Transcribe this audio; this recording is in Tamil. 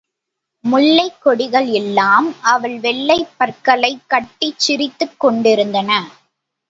முல்லைக் கொடிகள் எல்லாம் அவள் வெள்ளைப் பற்களைக் காட்டிச் சிரித்துக் கொண்டிருந்தன.